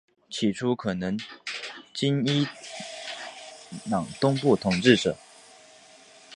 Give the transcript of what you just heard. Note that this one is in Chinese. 起初可能为今伊朗东部统治者。